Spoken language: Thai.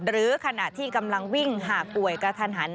หรือขณะที่กำลังวิ่งหากป่วยกระทันหัน